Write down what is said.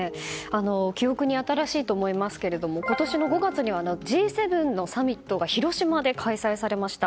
記憶に新しいと思いますけれども今年の５月にＧ７のサミットが広島で開催されました。